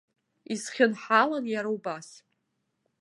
Исхьынҳалан иара абас.